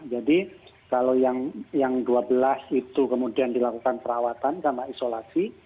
jadi kalau yang dua belas itu kemudian dilakukan perawatan sama isolasi